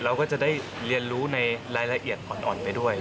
เราก็จะได้เรียนรู้ในรายละเอียดอ่อนไปด้วย